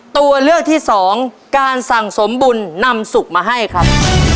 ตัวเลือกที่สองการสั่งสมบุญนำสุขมาให้ครับ